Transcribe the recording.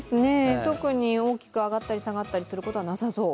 特に大きく上がったり下がったりすることはなさそう。